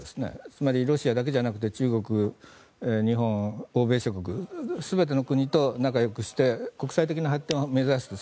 つまり、ロシアだけじゃなくて中国、日本欧米諸国、全ての国と仲よくして国際的な発展を目指すと。